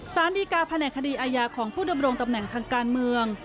สารดีการแผนกคดีอาญาของผู้ดำรงตำแหน่งทางการเมือง